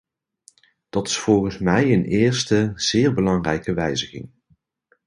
Dat is volgens mij een eerste, zeer belangrijke wijziging.